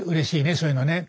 そういうのね。